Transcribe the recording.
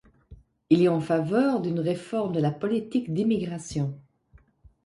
Il est en faveur d'une réforme de la politique d'immigration.